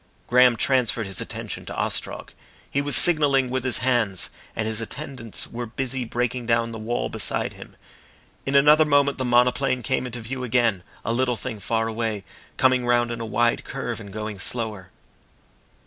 Graham transferred his attention to Ostrog. He was signalling with his hands, and his attendants were busy breaking down the wall beside him. In another moment the monoplane came into view again, a little thing far away, coming round in a wide curve and going slower.